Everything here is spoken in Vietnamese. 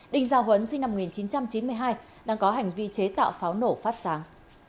đinh gia huấn sinh năm một nghìn chín trăm chín mươi hai đang có hành vi chế tạo pháo nổ phát sáng